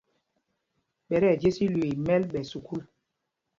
Ɓɛ tí ɛjes ilüii í mɛ́l ɓɛ sukûl.